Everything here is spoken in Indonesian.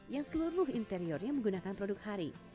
yang seluruh interiornya menggunakan produk hari